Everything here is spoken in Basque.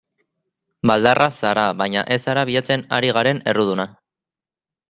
Baldarra zara baina ez zara bilatzen ari garen erruduna.